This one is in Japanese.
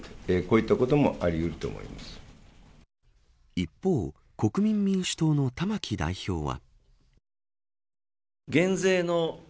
一方、国民民主党の玉木代表は。